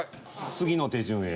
「次の手順へ」。